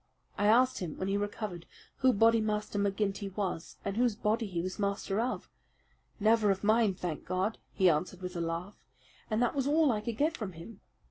I asked him when he recovered who Bodymaster McGinty was, and whose body he was master of. 'Never of mine, thank God!' he answered with a laugh, and that was all I could get from him.